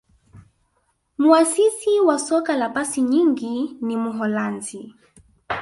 muasisi wa soka la pasi nyingi ni muholanzi